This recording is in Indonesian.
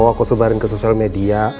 oh aku sebarin ke sosial media